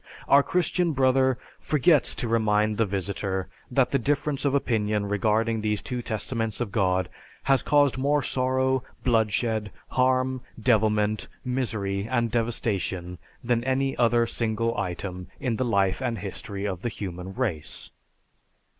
Our Christian Brother "forgets" to remind the visitor that the difference of opinion regarding these two Testaments of God has caused more sorrow, bloodshed, harm, devilment, misery, and devastation than any other single item in the life and history of the human race.